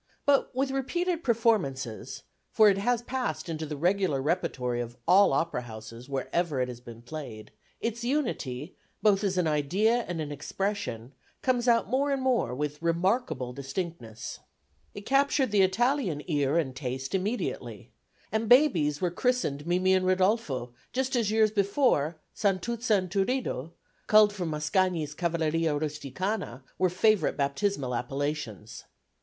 But with repeated performances (for it has passed into the regular repertory of all opera houses wherever it has been played) its unity, both as an idea and an expression, comes out more and more with remarkable distinctness. [Illustration: MISS ALICE ESTY AS MIMI IN "LA BOHEME"] It captured the Italian ear and taste immediately, and babies were christened Mimi and Rodolfo just as ten years before, Santuzza and Turiddu, culled from Mascagni's Cavalleria Rusticana, were favourite baptismal appellations.